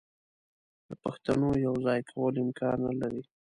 د پښتونو یو ځای کول امکان نه لري.